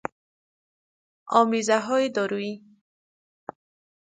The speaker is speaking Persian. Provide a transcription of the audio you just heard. آمیزههای دارویی